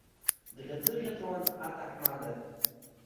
Дӷьаҵәыӷьаҵәуан аҭаҳмада.